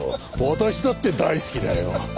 私だって大好きだよ。